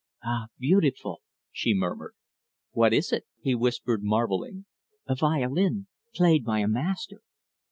"Ah, beautiful!" she murmured. "What is it?" he whispered marvelling. "A violin, played by a master."